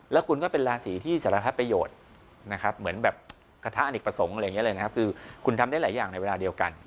แล้วคุณก็เป็นราศีที่สารพยาประโยชน์เหมือนกระทะหนักประสงค์คุณทำได้หลายอย่างได้เวลาเดียวกัน